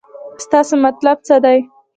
ستاسې مطلب څه دی.